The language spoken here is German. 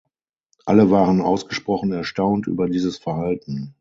Alle waren ausgesprochen erstaunt über dieses Verhalten.